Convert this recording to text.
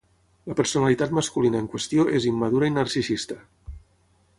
La personalitat masculina en qüestió és immadura i narcisista.